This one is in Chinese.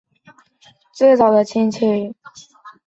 它是鸭嘴兽的最早的亲属。